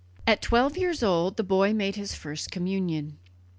At twelve years old the boy made his first communion.